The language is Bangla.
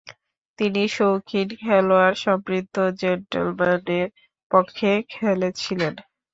তিনি শৌখিন খেলোয়াড়সমৃদ্ধ জেন্টলম্যানের পক্ষে খেলেছিলেন।